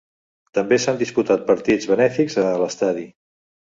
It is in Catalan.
També s'han disputat partits benèfics a l'estadi.